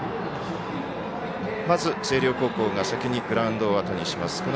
まず、星稜高校が先にグラウンドをあとにします。